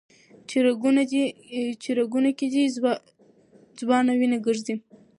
چي رګونو كي دي ځوانه وينه ګرځي